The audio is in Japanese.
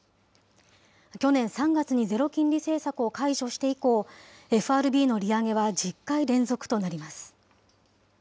去年３月にゼロ金利政策を解除して以降、ＦＲＢの利上げは１０回連続となります。